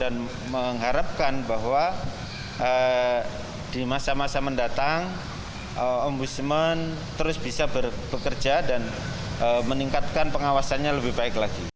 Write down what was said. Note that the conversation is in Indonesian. mengharapkan bahwa di masa masa mendatang ombudsman terus bisa bekerja dan meningkatkan pengawasannya lebih baik lagi